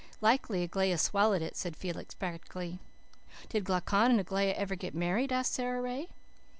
"Likely Aglaia swallowed it," said Felix practically. "Did Glaucon and Aglaia ever get married?" asked Sara Ray.